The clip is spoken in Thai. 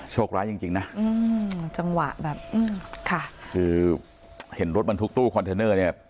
โชคล้ายังจริงนะจังหวะแบบค่ะคือเห็นรถมันทุกตู้คอนเทอร์เนอร์เนี่ย